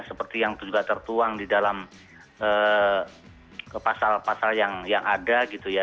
seperti yang juga tertuang di dalam pasal pasal yang ada gitu ya